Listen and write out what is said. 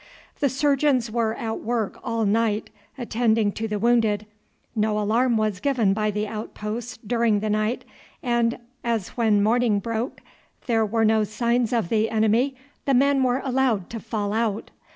The surgeons were at work all night attending to the wounded. No alarm was given by the outposts during the night, and as when morning broke there were no signs of the enemy, the men were allowed to fall out.